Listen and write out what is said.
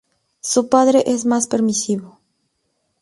Su padre es más permisivo.